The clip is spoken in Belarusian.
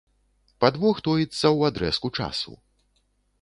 Падвох тоіцца ў адрэзку часу.